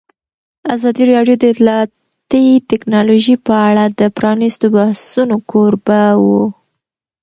ازادي راډیو د اطلاعاتی تکنالوژي په اړه د پرانیستو بحثونو کوربه وه.